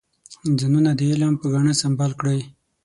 ځانونه د علم په ګاڼه سنبال کړئ.